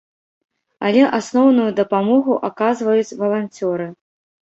Але асноўную дапамогу аказваюць валанцёры.